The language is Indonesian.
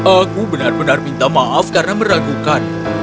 aku benar benar minta maaf karena meragukan